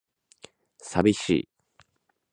寂しい